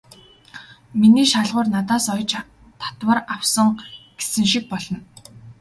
Миний шалгуур надаас оёж татвар авсан" гэсэн шиг болно.